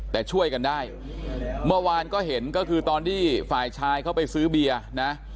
แต่ช่วยกันได้เมื่อวานก็เห็นก็คือตอนที่ฝ่ายชายเขาไปซื้อเบียร์นะ